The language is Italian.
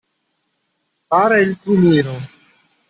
Fare il crumiro.